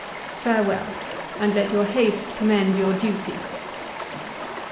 Farewell; and let your haste commend your duty.